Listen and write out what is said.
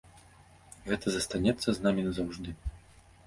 Гэта застанецца з намі назаўжды.